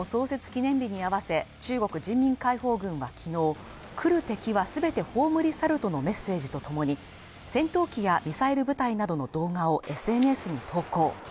記念日に合わせ中国人民解放軍はきのう来る敵は全て葬り去るとのメッセージとともに戦闘機やミサイル部隊などの動画をＳＮＳに投稿